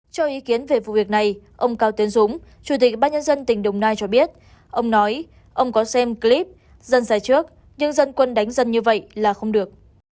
cho ý kiến về vụ việc này ông cao tiến dũng chủ tịch ubnd tỉnh đồng nai cho biết ông nói ông có xem clip dân dài trước nhưng dân quân đánh dân như vậy là không được